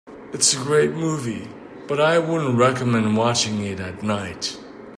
It's a great movie, but I wouldn't recommend watching it at night.